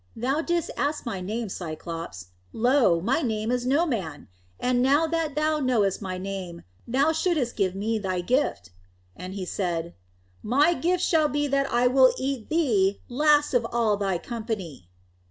"Thou didst ask my name, Cyclops. Lo! my name is No Man. And now that thou knowest my name, thou shouldst give me thy gift." And he said, "My gift shall be that I will eat thee last of all thy company."